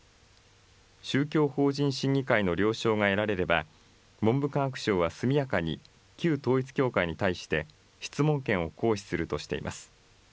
宗教法人審議会の了承が得られれば、文部科学省は速やかに旧統一教会に対して、質問権を行使するとしています。